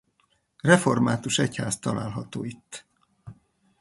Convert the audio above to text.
Református egyház található itt.